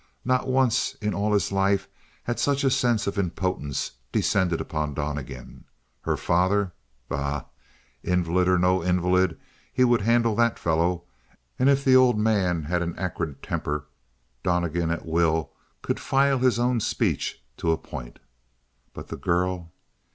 Not once in all his life had such a sense of impotence descended upon Donnegan. Her father? Bah! Invalid or no invalid he would handle that fellow, and if the old man had an acrid temper, Donnegan at will could file his own speech to a point. But the girl!